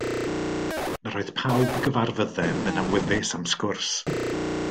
Yr oedd pawb gyfarfyddem yn awyddus am sgwrs.